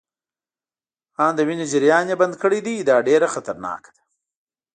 آن د وینې جریان يې بند کړی دی، دا ډیره خطرناکه ده.